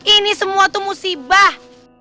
ini semua itu musibah